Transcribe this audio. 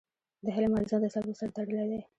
د حلم ارزښت د صبر سره تړلی دی.